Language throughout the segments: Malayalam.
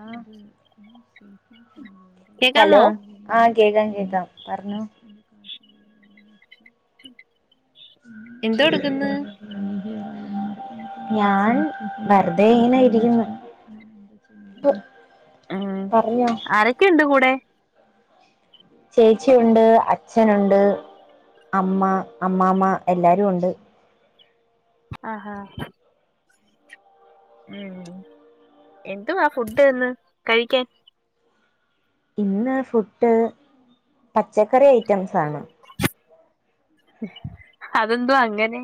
ആഹ് കേക്കാമോ ഹലോ ആ കേക്കാം കേക്കാം പറഞ്ഞോ എന്തോ എടുക്കുന്നു [inaudible] ഞാൻ വെറുതെ ഇങ്ങനെ ഇരിക്ക്ന്ന് [inaudible] ഉം ആരൊക്കെണ്ട് കൂടെ ചേച്ചിയുണ്ട് അച്ഛനുണ്ട് അമ്മ അമ്മാമ്മ എല്ലാരു ഉണ്ട് ആഹാ ഉം എന്തുവാ ഫുഡ്ഡ് ന്ന് കഴിക്കാൻ ഇന്ന് ഫുഡ്ഡ് പച്ചക്കറി ഐറ്റംസാണ് അതെന്തുവാ അങ്ങെനെ?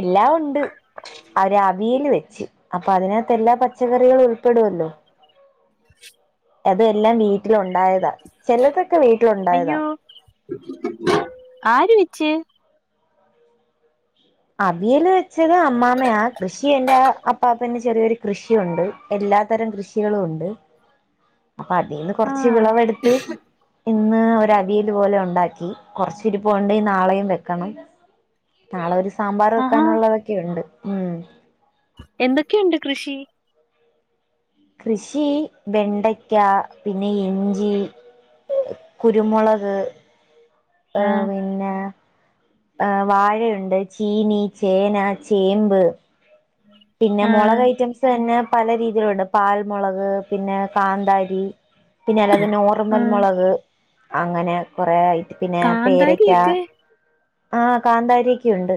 എല്ലാം ഒണ്ട് അവര് അവിയെല് വെച്ച് അപ്പൊ അതിനകത്തെല്ലാ പച്ചക്കറികളും ഉൾപ്പെടുവല്ലോ അത് എല്ലാം വീട്ടിലുണ്ടായതാ ചെലെതൊക്ക വീട്ടിലുണ്ടായതാ അയ്യോ ആര് വെച്ച്? അവിയല് വെച്ചത് അമ്മാമ്മയാ കൃഷി എന്റെ അപ്പാപ്പന് ചെറിയൊരു കൃഷിയുണ്ട് എല്ലാ തരം കൃഷികളു ഉണ്ട് അപ്പൊ അതീന്ന് ആ കൊർച്ച് വിളെവെട്ത്ത് ഇന്ന് ഒരവിയല് പോലെ ഉണ്ടാക്കി കൊർച്ച് ഇരിപോണ്ട് ഇനി നാളെയും വെക്കെണം നാളെ ഒര് സാമ്പാറ് ആഹാ വെക്കാനുള്ളൊതൊക്കെയുണ്ട് ഉം എന്തൊക്കെയുണ്ട് കൃഷി കൃഷി വെണ്ടെയ്ക്ക പിന്നെ ഇഞ്ചി കുരുമുളക് ആ ഏഹ് പിന്നെ ആഹ് വാഴയുണ്ട് ചീനി ചേന ചേമ്പ് പിന്നെ ആ മുളകയ്റ്റംസ് തന്നെ പല രീതിയിലുണ്ട് പാൽമുളക് പിന്നെ കാന്താരി പിന്നെ അല്ലാതെ ആ നോർമെൽ മുളക് അങ്ങെനെ കൊറേ ഐറ്റം പിന്നേ പേരെക്കാ കാന്താരിയൊക്കെ ആഹ് കാന്താരിയൊക്കെയുണ്ട്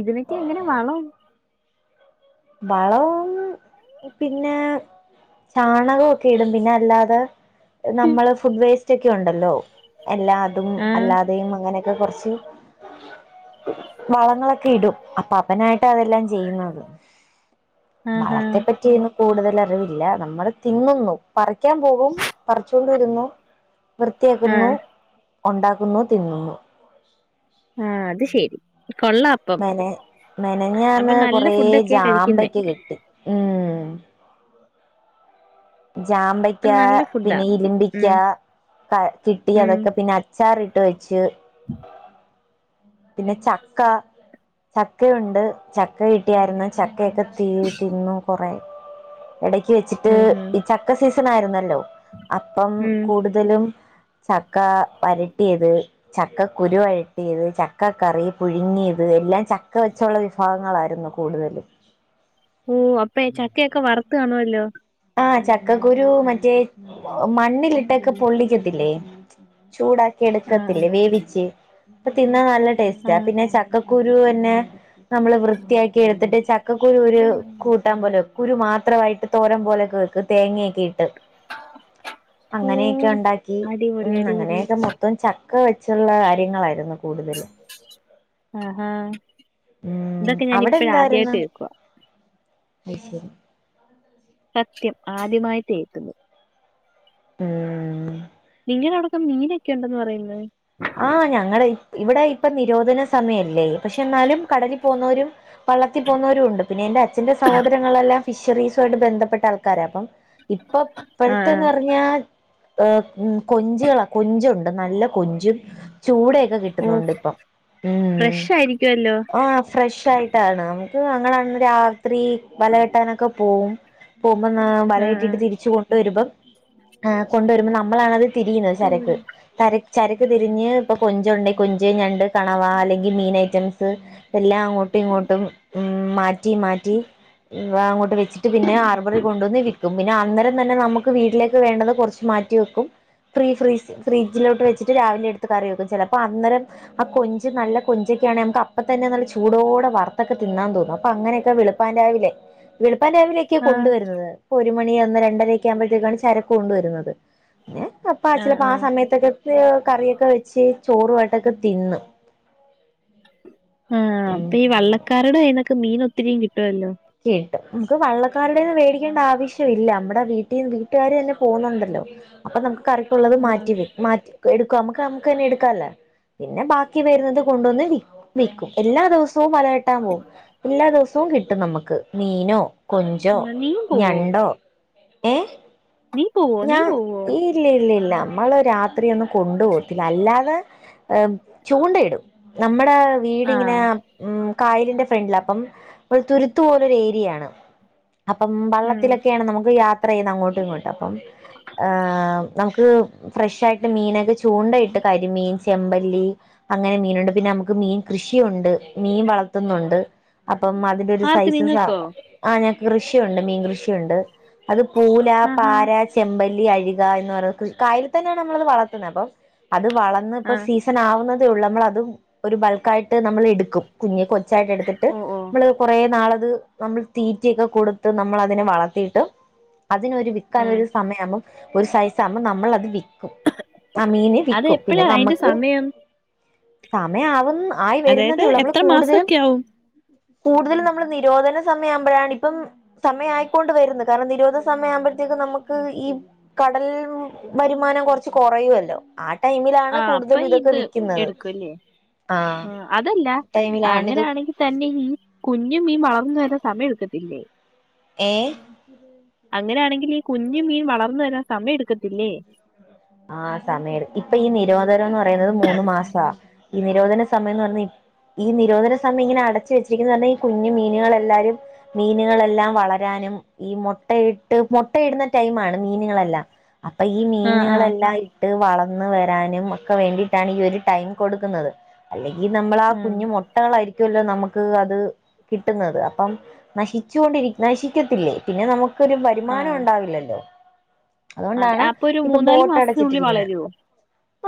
ഇതിനൊക്കെ എങ്ങെനെ വളം വളം പിന്നേ ചാണകൊക്കെ ഇടും പിന്നെ അല്ലാതെ നമ്മള് ഫുഡ് വേസ്റ്റാെക്കെ ഉണ്ടല്ലോ എല്ലാതും ആ അല്ലാതെയും അങ്ങനെ എ കൊർച്ച് വളങ്ങളൊക്കെ ഇടും അപ്പ അവനായിട്ടാ അതെല്ലാം ചെയ്യ്ന്നത് ആഹാ വളർത്ത്യാ പറ്റ്യേന്നു കൂട്തൽ അറിവില്ല നമ്മള് തിന്നുന്നു പറിക്കാൻ പോകും പറിച്ചാേണ്ട് വരുന്നു ആ വൃത്തിയാക്കുന്നു ഉണ്ടാക്കുന്നു തിന്നുന്നു ആഹ് അത് ശെരി കൊള്ളാം അപ്പം മെനയ അപ്പൊ മെനെഞ്ഞാന്ന് നല്ല കൊറേ ഫുഡൊക്കെയാ കഴിക്കുന്നേ ജാമ്പക്ക കിട്ടി ഉം ജാമ്പെയ്ക്ക അപ്പൊ നല്ല ഫുഡാ പിന്നെ ഉം ഇരിമ്പിക്കാ ക കിട്ടി ഉം അതൊക്കെ പിന്നെ അൽ ച്ചാറ് ഇട്ട് വെച്ച് പിന്നെ ചക്കാ ചക്കയുണ്ട് ചക്ക കിട്ടിയായ്ര്ന്ന് ചക്കയൊക്കെ തി തിന്നൂ കൊറേ ഇടക്ക് വെച്ചിട്ട് ഉം ഉം ഈ ചക്ക സീസണായിര്ന്നല്ലോ അപ്പം ഉം കൂട്തലും ചക്കാ വരട്ടിയെത് ചക്ക കുരുവഴട്ടിയെത് ചക്കക്കറി പുഴുങ്ങിയെത് എല്ലാം ചക്ക വെച്ചുള്ള വിഭവങ്ങളായ്ര്ന്നു കൂടുതലും ഓഹ് അപ്പെ ഈ ചക്കെയെക്കെ വറ്ത്ത് കാണ്‌വല്ലോ ആഹ് ചക്കക്കുരു മറ്റേ മണ്ണിലിട്ടെക്കെ പൊള്ളിക്കത്തില്ലേ ചൂടാക്കി ആഹ് എട്ക്കത്തില്ലേ വേവിച്ച് പ്പ തിന്നാ നല്ല ആഹ് ടേസ്റ്റാ ആഹ് പിന്നെ ച ക്കകുരുവെന്നെ നമ്മള് വൃത്തിയാക്കി എട്ത്തിട്ട് ചക്കക്കുരു ഒര് കൂട്ടാം പോലെ കുരു മാത്രവായിട്ട് തോരൻ പോലെ കേക്ക് തേങ്ങെയെക്കെ ഇട്ട് അങ്ങനെയെക്കെ ഓഹ് ഉണ്ടാക്കി അടിപൊളി ഉം അടിപൊളി അങ്ങനെയെക്കെ ത്തം ചക്ക വെച്ച്ള്ള കാര്യങ്ങളായ്ര്ന്നു കൂട്തല് ആഹാ ഇതൊക്കെ ഞാനിപ്പഴ ആദ്യായിട്ട് കേക്കുവാ അയ്ശെരി സത്യം ആദ്യമായിട്ട് കേക്കുന്നു ഏഹ് നിങ്ങടെ അവിടൊക്കെ മീനൊക്കെ ഉണ്ടന്ന് പറയുന്നു ആഹ് ഞങ്ങളടെ ഇവിടെ ഇപ്പൊ നിരോധന സമയല്ലേ പക്ഷെ എന്നാലും കടലിൽ പോന്നോരും വള്ളത്തി പോന്നോരും ഉണ്ട് പിന്നെ എന്റെ അച്ഛന്റെ സഹോദരങ്ങളെല്ലാം ഫിഷറീസുമായിട്ട് ബന്ധപ്പെട്ട ആൾക്കാരാണ് അപ്പം ഇപ്പൊ ആഹ് ഇപ്പോഴത്തേന്ന് ആഹ് പറഞ്ഞാ ആഹ് കൊഞ്ചുകളാ കൊഞ്ചുണ്ട് നല്ല കൊഞ്ചും ചൂടയൊക്കെ ഓഹ് കിട്ടുന്നുണ്ട് ഇപ്പം ഉം ഫ്രഷ് ആയിരിക്കുവല്ലോ ആഹ് ഫ്രഷ് ആയിട്ടാണ് നമുക്ക് അങ്ങനെ രാത്രി വല കെട്ടാനൊക്കെ പോവും പോകുമ്പോൾ വല ആഹ് കെട്ടീട്ട് ആഹ് തിരിച്ചു കൊണ്ടുവരുമ്പം കൊണ്ടുവരുമ്പോം നമ്മളാണത് തിരിക്കുന്നത് ചരക്ക് ഇവിടെ തര ചരക്ക് തിരിഞ്ഞ് ഇപ്പൊ കൊഞ്ച് ഉണ്ടെ കൊഞ്ച് ഞണ്ട് കണവ അല്ലെങ്കിൽ മീൻ ഐറ്റംസ് എല്ലാം അങ്ങോട്ടും ഇങ്ങോട്ടും ഉം മാറ്റി മാറ്റി അങ്ങോട്ട് വെ ച്ചിട്ട് പിന്നെ ഹാർബറി കൊണ്ടുവന്ന് വിൽക്കും പിന്നെ അന്നേരം തന്നെ നമുക്ക് വീട്ടിലേക്ക് വേണ്ടത് കുറച്ച് മാറ്റി വെക്കും ഫ്രീ ഫ്രീസ് ഫ്രിഡ്ജിലോട്ട് വെ ച്ചിട്ട് രാവിലെ എടുത്ത് കറി വെക്കും ചിലപ്പോ അന്നേരം ആഹ് കൊഞ്ച് നല്ല കൊഞ്ചൊക്കെയാണെ നമുക്ക് അപ്പൊ തന്നെ നല്ല ചൂടോടെ വറുത്തൊക്കെ തിന്നാൻ തോന്നും അപ്പൊ അങ്ങനെയൊക്കെ വെളു പ്പാൻ രാവിലെ വെളുപ്പാൻ രാവിലേ ക്ക് ആഹ് കൊണ്ടുവരുന്നത് ഇപ്പോ ഒരു മണി ഒന്ന് രണ്ടര ഒക്കെ ആകുമ്പോഴത്തേക്കാണ് ചരക്ക് കൊണ്ടുവരുന്നത് പിന്നെ അപ്പാ ചിലപ്പോ ആഹ് സമയത്തൊക്കെ കറിയൊക്കെ വെച്ച് ചോറുമായിട്ടൊക്കെ തിന്ന് ആഹ് അപ്പൊ ഈ ഉം വള്ളക്കാരുടെ കൈന്നൊക്കെ മീൻ ഒത്തിരിയും കിട്ടുമല്ലോ കിട്ടും നമുക്ക് വള്ളക്കാരുടേന്ന് മേടിക്കേണ്ട ആവശ്യമില്ല നമ്മടെ വീട്ടീ വീട്ടുകാര് തന്നെ പോന്നുണ്ടല്ലോ അപ്പൊ നമുക്ക് കറിക്ക് ഉള്ളത് ആഹ് മാറ്റി മാറ്റ എടുക്കാം നമ്മക്ക് നമുക്ക് തന്നെ എടുക്കാല്ലോ പിന്നെ ബാക്കി വരുന്നത് കൊണ്ടുവന്ന് വി വിൽക്കും എല്ലാ ദിവസവും വലകെട്ടാൻ പോകും എല്ലാ ദിവസവും കിട്ടും നമുക്ക് മീനോ കൊഞ്ചോ നീയും പോവോ ഞണ്ടോ ഏഹ് നീ പോവോ നീ ഞാൻ പോവോ ഇല്ല ഇല്ല ഇല്ല നമ്മള് രാത്രി ഒന്നും കൊണ്ടു പോകത്തില്ല അല്ലാതെ ചൂണ്ടയിടും നമ്മടെ വീടിങ്ങനെ ആഹ് ഉം കായലിന്റെ ഫ്രണ്ടിലാ അപ്പം നമ്മൾ തുരുത്ത് പോലെ ഒരു ഏരിയയാണ് അപ്പം ഉം വള്ളത്തിലൊക്കെയാണ് നമുക്ക് യാത്ര ചെയ്യുന്നത് അങ്ങോട്ടും ഇങ്ങോട്ടും അപ്പം ആഹ് നമുക്ക് ഫ്രഷ് ആയിട്ട് മീനൊക്കെ ചൂണ്ടയിട്ട് കരിമീൻ ചെമ്പല്ലി അങ്ങനെ മീനുണ്ട് പിന്നെ നമുക്ക് മീൻ കൃഷിയുണ്ട് മീൻ വളർത്തുന്നുണ്ട് അപ്പം അതിന്റെ ഒരു ആർക്ക് സൈസും സ നിങ്ങക്കോ ആഹ് ഞങ്ങക്ക് കൃഷിയുണ്ട് മീൻകൃഷിയുണ്ട് അത് പൂല, ആഹാ പാര ചെമ്പല്ലി അഴിക എന്ന് പറഞ്ഞ കായലിൽ തന്നെയാണ് നമ്മളത് വളർത്തുന്നത് അപ്പം അത് വളർന്ന് ഇപ്പം ആഹ് സീസ് ണാവുന്നതേ ഉള്ളൂ നമ്മൾ അതും ഒരു ബൾക്ക് ആയിട്ട് നമ്മൾ എടുക്കും കുഞ്ഞു കൊച്ചായിട്ട് എടുത്തിട്ട് ഓഹ് ഓഹ് നമ്മള് കുറേ നാളത് നമ്മൾ തീറ്റിയൊക്കെ കൊടുത്ത് നമ്മൾ അതിനെ വളർത്തിയിട്ട് അതിനൊരു വി ക്കാൻ ആഹ് ഒരു സമയമാകുമ്പോ ഒരു സൈസ് ആകുമ്പോ നമ്മളത് വി ക്കും ആഹ് മീന് അത് വിക്കും പിന്നെ എപ്പഴാ അയിന്റെ നമ്മുക്ക് സമയം സമയവുന്ന ആയി വരുന്നതേ അതായത് ഉള്ളൂ നമ്മള് എത്ര കൂടുതലും മാസൊക്കെ ആവും കൂടുതലും നമ്മള് നിരോധന സമയം ആവുമ്പോഴാണ് ഇപ്പം സമയായിക്കൊണ്ട് വരുന്നു കാരണം നിരോധ സമയം ആവുമ്പോഴത്തേക്കും നമുക്ക് ഈ കടൽ വരുമാനം കുറച്ച് കുറയുമല്ലോ ആഹ് അപ്പൊ ഇത് എടുക്കും അല്ലേ ആഹ് അതല്ല ടൈമിലാണിത് അങ്ങനാണെങ്കിൽ തന്നെ ഈ കുഞ്ഞു മീൻ വളർന്നു വരാൻ സമയം എടുക്കത്തില്ലേ ഏഹ് അങ്ങനെയാണെങ്കിൽ ഈ കുഞ്ഞ് മീൻ വളർന്നു വരാൻ സമയം എടുക്കത്തില്ലേ ആഹ് സമയം എടു ഇപ്പൊ ഈ നിരോധനം എന്ന് പറയുന്നത് മൂന്ന് മാസമാ ഈ നിരോധന സമയം എന്ന് പറഞ്ഞ ഈ നിരോധന സമയം ഇങ്ങനെടച്ചച്ച് വച്ചരിക്ക ഈ കുഞ്ഞഞ് മീനുകളെല്ലാരും മീനുകളെല്ലാം വളരാനും- ഈ മുട്ടയിട്ട് മുട്ടയിടുന്ന ടൈമാണ് മീനുകളെല്ലാം അപ്പൊ ഈ ആഹ് ആഹ് മീനുകളെല്ല ഇട്ട് വളർന്ന വരാനും ഒക്കെ വേണ്ടിട്ടാണ് ഈ ഒരു ടൈം കൊടുക്കുന്നത് അല്ലെങ്കിൽ നമ്മൾ ആഹ് ഉം കുഞ്ഞു മുട്ടകളായിരിക്കുമല്ലോ നമുക്ക് അത് കിട്ടുന്നത് അപ്പം നശിച്ചുൊണ്ടിരിക്ക നശിക്കത്തില്ലേ പിന്നെ നമുക്ക് ഒരു വരുമാനം ആഹ് ഉണ്ടാവില്ലല്ലോ അതെ അതുകൊണ്ടാണ് അപ്പൊ ഒരു ഇപ്പൊ മൂന്നാല് ബോട്ട് മാസത്തിനുള്ളിൽ അടച്ചിട്ടിരിക്കുന്നത്- വളരുവോ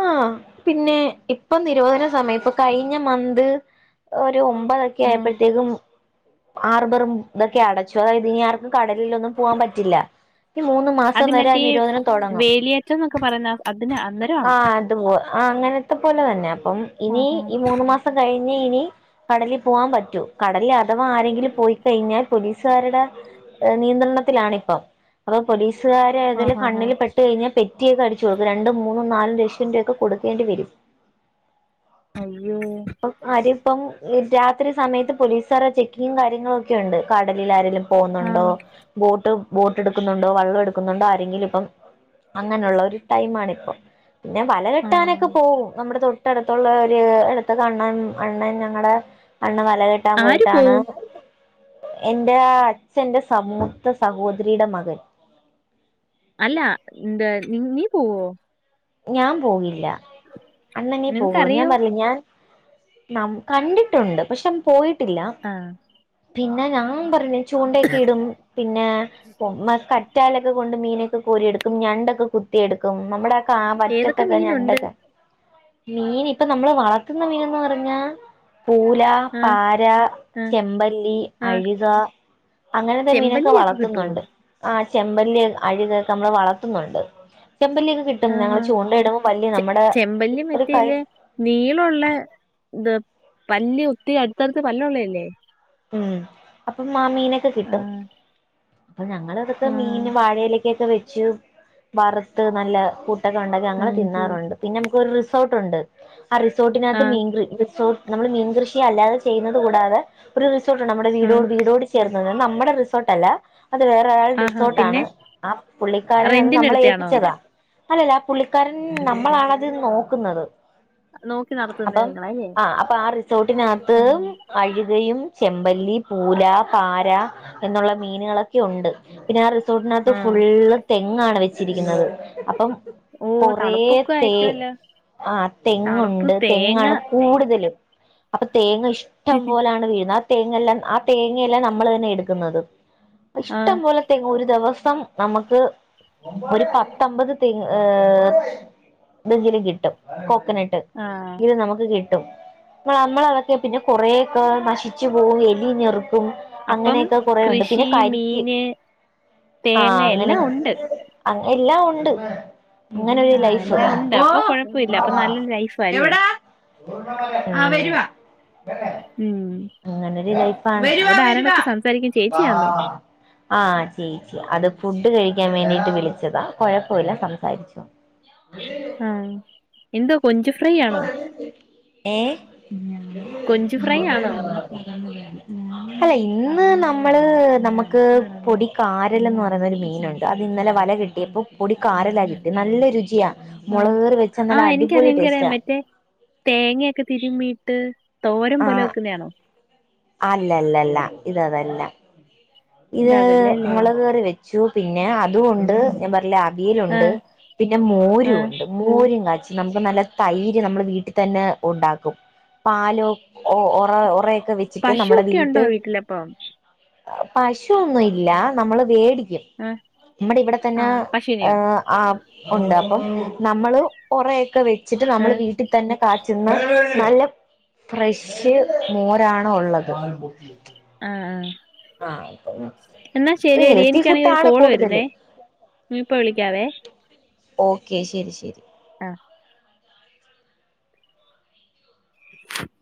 ആഹ് പിന്നെ ഇപ്പൊ നിരോധന സമയം ഇപ്പൊ കഴിഞ്ഞ മന്ത് ഒരു ഒമ്പതൊക്കെ ഉം. ആയപ്പോഴത്തേക്കും ആർബറും ഇതൊക്കെ അടച്ചു അതായത് ഇനി ആർക്കും കടലിലൊന്നും പോവാാൻ പറ്റില്ല. ഈ മൂന്ന് മാസം അത് വരെ മറ്റേ നിരോധനം തുടങ്ങും. വേലിയേറ്റം എന്നൊക്കെ പറഞ്ഞ അതിന് അന്നേരമാണോ ആഹ് അത്പോ ആഹ് അങ്ങനത്തെ പോലെ തന്നെ അപ്പം ഇനി ആഹ് ഈ മൂന്ന് മാസം കഴിഞ്ഞ് ഇനി കടലിൽ പോകാൻ പറ്റൂ കടലിൽ അഥവാ ആരെങ്കിലും പോയി കഴിഞ്ഞാൽ പോലീസുകാരുടെ നിയന്ത്രണത്തിലാണ ഇപ്പം അപ്പൊ പോലീസുകാര ഏതും ആഹ് ആഹ് കണ്ണിൽ പെട്ട കഴിഞ്ഞാൽ പേറ്റി കുറ്റിയൊക്ക അടിച്ച് കൊടുക്ക രണ്ടും മൂന്നും നാലും ലക്ഷം രൂപയക്കെ കൊടുക്കേണ്ടി വരും. അയ്യോ ആഹ് അതിപ്പം രാത്രി സമയത്ത് പോലീസുകാരുടെ ചെക്കിങ്ങും കാര്യങ്ങളും ഒക്കെ ഉണ്ട് കടലിലാരേലും- പോന്നൊണ്ടോ ആഹ് ബോട്ട് ബോട്ട് എടുക്കുന്നുണ്ടോ വെള്ളം എടുക്കുന്നുണ്ടോ ആരെങ്കിലും ഇപ്പം- അങ്ങനെയുള്ള ഒരു ടൈ ആണിപ്പോ പിന്നെ വല ആഹ് കെട്ടാനൊക്കെ പോവുംനമ്മുടെ തൊ- ഇട്ടടുത്തുള്ള ഒരു ഇടുത്തൊക്കണ്ണൻ അണ്ണൻ ഞങ്ങളടെ അണ്ണ വലകെട്ട കിട്ടാൻ ആര് പോയിട്ടാണ് പോവും എൻറെ അച്ഛൻറെ സമൂഹത്ത സഹോദരിയുടെ മകൻ- അല്ല എന്ത് നി നീ പോവോ? ഞാൻ പോകില്ല അണ്ണനേ പോകളൂ ഞാൻ നിനക്കറിയോ പറില്ല ഞാൻ നം കണ്ടിട്ടുണ്ട് പക്ഷെ പോയിട്ടില്ല ആഹ് പിന്നെ ഞാൻ പറഞ്ഞ ചൂണ്ടൊക്കെ ഇടും പിന്നെ ക സ്റ്റാലൊക്കെ കൊണ്ട് മീനൊക്കെ കോരിയെടുക്കും ഞണ്ടൊക്കെ കുത്തിയെടുക്കും നമ്മുടെ ആഹ് ഏതൊക്കെ പറ്റത്തക്കെ മീനുണ്ട് ഞണ്ടൊക്കെ മീൻ ഇപ്പൊ നമ്മള് വളർത്തുന്ന മീനന്ന് പറഞ്ഞാ പൂല ആഹ് പാര ആഹ് ചെമ്പല്ലി ആഹ് അഴുക അങ്ങനത്തെ മീനൊക്കെ ചെമ്പല്ലിയൊക്കെ കിട്ടുവോ വളർത്തുന്നുണ്ട്. ആഹ് ചെമ്പല്ലി അഴികെ നമ്മെ വളർത്തുന്നുണ്ട് ചെമ്പല്ലിയൊക്കെ കിട്ട പിന്നെ ആഹാ. ഞങ്ങള്ൾ ചൂണ്ട ഇടുമ്പോ വല്ല നമ്മുടെ ഒരു കൈ നീളുള്ള ഇത് പല്ലല് ഒത്തി അടുത്തടുത്ത് പല്ലല്ള്ളല്ലേ? ഉം അപ്പൊ മാമീനൊക്കെ ആ കിട്ടും. അപ്പൊ ഞങ്ങൾ ഇതൊക്കെ ആ മീൻ വാഴയിലേക്കൊക്കെ വെച്ച് വറുത്ത് നല്ല കൂട്ടൊക്കെ ഉണ്ടാക്കി അങ്ങനെ തിന്നാറുണ്ട് പിന്നെ നമുക്കൊരു റിസോർട്ടുണ്ട് ആഹ് ആ റിസോർട്ടിനകത്ത് മീൻ റിസോർട്ട് നമ്മള് മീൻകൃഷി അല്ലാതെ ചെയ്യുന്നത് കൂടാതെ ഒരു റിസോർട്ട്ണ് നമ്മുടെ ആ വീടോട് വീടോട് ചേർന്ന നമ്മുടെ റിസോർട്ട്ല്ല അത് വേറെൊരായാള ആഹാ. പിന്നെ റിസോർട്ടാണ് ആഹ് പുള്ളിക്കാരന അത് റെന്റിന് നമ്മളെ എടുത്തയാണോ? ഏൽപ്പിച്ചതാ- അല്ലല്ല ആ പുള്ളിക്കാരൻ നമ്മളണത് നോക്കുന്നത്- നോക്കി നടത്തുന്നത് അപ്പം നിങ്ങളല്ലേ? ആആ അപ്പൊ ആഹ് റിസോർട്ടിനകത്ത് ആ. അഴുകയും ചെമ്പല്ലി പൂല പാര എന്നുള്ള മീനുകളൊക്കെ ഉണ്ട്. പിന്നെ ആഅ റിസോർട്ടിനകത്ത് ആ. ഫുള്ള് തെങ്ങാണ് വെച്ചിരിക്കുന്നത് അപ്പം ഓ കൊറേ തണുപ്പൊക്കെ ത ആയിരിക്കുവല്ലോ. ആഹ് തണുപ്പ് തെങ്ങുണ്ട് തേങ്ങ തെങ്ങാണ് കൂടുതലും അപ്പൊ തേങ്ങ ഇഷ്ടം പോലാണ് വീഴാ തേങ്ങല്ലാം ആഹ് തേങ്ങയല്ലാം നമ്മൾ തന്നെ എടുക്കുന്നത് ആ ഇഷ്ടംപലെ തേങ്ങ ഒരു ദിവസം നമുക്ക് ഒരു പത്തമ്പത് തെങ് ഏഹ് [unintelligible] കിട്ടും കോക്കനട്ട് ആ. ഇത് നമുക്ക് കിട്ടും നമ്മൾ നമ്മളതൊക്കെ പിന്നെ കുറെേൊക്കെ നശി ച്ചു പോവും എലിഞ്ഞെറുപ്പും അപ്പം അങ്ങനെയൊക്കെ കുറെ ഉണ്ട് കൃഷി, പിന്നെ കരിക്ക് മീന്, ആഹ തേങ്ങ അങ്ങനെ എല്ലാം ക്കെ ഉണ്ട്. അങ്ങ് എല്ലാം ഉണ്ട് ഇങ്ങനെരു ആ ലൈഫ് എല്ലാം ഉണ്ട്. ഓ അപ്പൊ കൊഴപ്പമില്ല. അപ്പൊ നല്ലൊരു ലൈഫാ അല്ലേ? എവ്ടാ ആഹ് വരുവാ ഉം അങ്ങന ലൈഫാണ് വരുവ അവിടെ വരുവ ആരോടൊക്കെ സംസാരിക്കും വാ ചേച്ചിയാന്നോ? ആഹ ചേച്ചി അത് ഫുഡ് കഴിക്കാൻ വേണ്ടിട്ട് വിളിച്ചതാ കെഴപ്പല്ല സംസാരിച്ചോ [unintelligible] ആഹ്. എന്തുവാ കൊഞ്ച് ഫ്ര ഏഹ്. കൊഞ്ച് ഫ്രൈ ആണോ? അല്ല ഇന്ന് നമ്മള് നമുക്ക് പൊടിക്കാരൽന്ന് പറയുന്നൊരു മീനുണ്ട് അത് ഇന്നലെ വല കിട്ടി പ്പോ പൊടി കാരല കിട്ടി നല്ല രുചിയാ ആ. മുളകു കറി ആ വെച്ചെനല്ല അടിപൊളി എനിക്കറിയാം ടേസ്റ്റ് എനിക്കറിയാം. മറ്റേ തേങ്ങയൊക്കെ തിരുമ്മീയിട്ട് തോരം പോലെ വെക്കുന്നണോ? അല്ല അല്ലല്ല ഇത് അതല്ല ഇത് അതല്ല അല്ലേ? മുളക് കറി വെ ച്ചു പിന്നെ അതും ഉണ്ട് ഞാൻ പറഞ്ഞിലെ ആ അവിയലുണ്ട് പിന്നെ ആ. മോരും ഉണ്ട്. മോരും കാചി നമുക്ക് നല്ല തൈര് നമ്മള് വീട്ടിൽ തന്നെ ഉണ്ടാക്കും. പാലോ ഒറ ഉറയൊക്കെ വെച്ച് പശു ഒക്കെ ഉണ്ടോ വീട്ടിൽ അപ്പം? പശു ഒന്നും ഇല്ല നമ്മള് വേടിക്കും ആ. നമ്മടെ ഇവിടെ ആ തന്നെ പശുവിനെയോ? ആഹ്. ആഹ് ഉണ്ട് അപ്പം നമ്മള് ഒറയൊക്കെ വെച്ചിട്ട് ആ. നമ്മൾ വീട്ടിൽ തന്നെകാച്ചുന്ന നല്ല ഫ്രഷ് മോരാണ് ഒള്ളത്. ആഹ് ആഹ് ആഹ് അപ്പം എന്നാ ശരിയടി ഹെൽത്തി എനിക്കാണെങ്കിൽ ഒരു ഫുഡാണ് കോള് വരുന്നേ. കൂടുതല് ഞാൻ ഇപ്പ വിളിക്കാവേ. ഓക്കെ ശരി ശരി. ആഹ്.. [unintelligible]